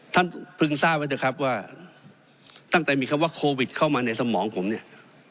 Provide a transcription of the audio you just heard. ท่านเพิ่งทราบไว้เถอะครับว่าตั้งแต่มีคำว่าโควิดเข้ามาในสมองผมเนี่ย